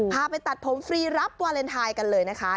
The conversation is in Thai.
ไปตัดผมฟรีรับวาเลนไทยกันเลยนะคะ